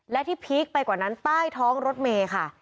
และที่พีคไปกว่านั้นใต้ท้องรถเมย์ค่ะ